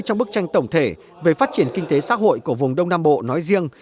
trong bức tranh tổng thể về phát triển kinh tế xã hội của vùng đông nam bộ nói riêng